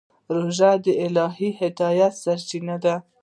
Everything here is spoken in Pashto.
روژه د الهي هدایت سرچینه ده.